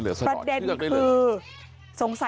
เจ้าแม่น้ำเจ้าแม่น้ำ